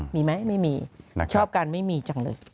มีไหมไม่มีชอบกันไม่มีจังเลย